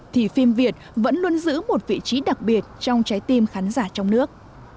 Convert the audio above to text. thì phim việt vẫn luôn giữ một vị trí đặc biệt trong trái tim khán giả trong nước